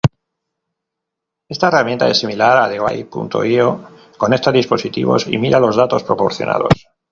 Esta herramienta es similar a dweet.io; conecta dispositivos y mira los datos proporcionados.